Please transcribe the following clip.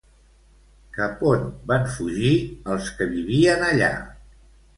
Cap on van fugir els que vivien allà?